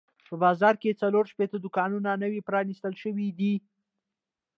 په بازار کې څلور شپېته دوکانونه نوي پرانیستل شوي دي.